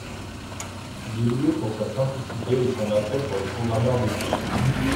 Il est loué pour sa simplicité et son attrait pour les programmeurs débutants.